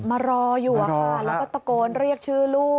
มารออยู่แล้วก็ตะโกนเรียกชื่อลูก